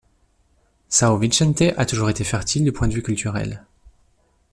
São Vicente a toujours été fertile du point de vue culturel.